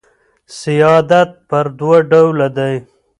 سیادت پر دوه ډوله دئ.